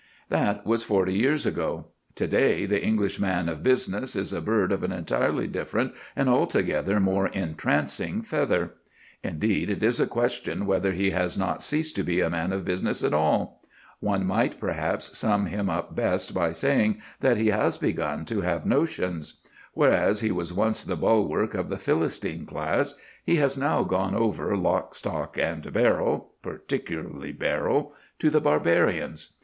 That was forty years ago. To day the English man of business is a bird of an entirely different and altogether more entrancing feather. Indeed, it is a question whether he has not ceased to be a man of business at all. One might perhaps sum him up best by saying that he has begun to have notions. Whereas he was once the bulwark of the Philistine class, he has now gone over, lock, stock, and barrel particularly barrel to the Barbarians.